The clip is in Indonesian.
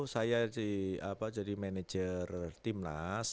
saya jadi manajer timnas